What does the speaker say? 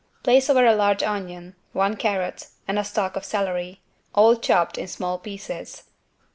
Place over a large onion, one carrot, and a stalk of celery, all chopped in small pieces.